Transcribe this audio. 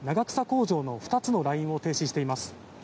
工場の２つのラインを停止しています。